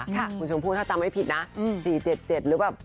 คุณชมพู่ถ้าจำไม่ผิดนะ๔๗๗หรือแบบ